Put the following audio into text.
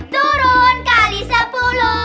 turun kali sepuluh